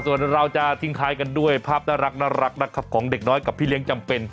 ส่วนเราจะทิ้งท้ายกันด้วยภาพน่ารักนะครับของเด็กน้อยกับพี่เลี้ยงจำเป็น